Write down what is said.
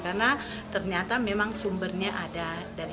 karena ternyata memang sumbernya ada dari sana